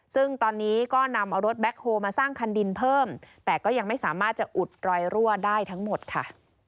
ซึ่งตอนนี้ก็นำเอารถแบ็คโฮลมาสร้างคันดินเพิ่มแต่ก็ยังไม่สามารถจะอุดรอยรั่วได้ทั้งหมดค่ะ